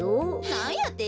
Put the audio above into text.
なんやて？